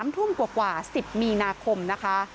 ๓ทุ่มกว่า๑๐มีนาคมนะคะ